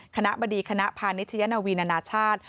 คณะบดีคณะพานิชยนวีนานาชาติ